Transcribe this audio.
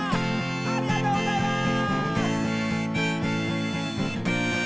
ありがとうございます。